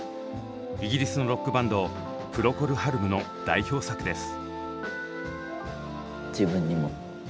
イギリスのロックバンドプロコル・ハルムの代表作です。